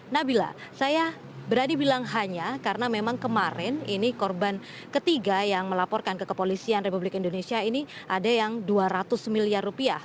nabila saya berani bilang hanya karena memang kemarin ini korban ketiga yang melaporkan ke kepolisian republik indonesia ini ada yang dua ratus miliar rupiah